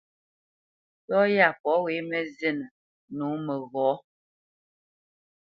Yɔ́ yá pɔ̂ wé mǝ́ zínǝ́ nǒ məghɔ̌.